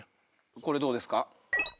これどうですか？